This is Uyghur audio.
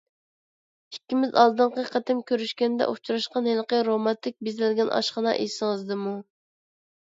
ئىككىمىز ئالدىنقى قېتىم كۆرۈشكەندە ئۇچراشقان ھېلىقى رومانتىك بېزەلگەن ئاشخانا ئېسىڭىزدىمۇ؟